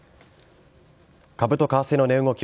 株と為替の値動き